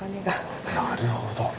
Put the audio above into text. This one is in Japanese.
なるほど！